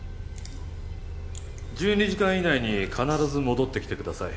１２時間以内に必ず戻ってきてください。